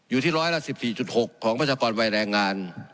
อยู่ที่ร้อยละ๑๔๖ของประชากรวัยแรงงาน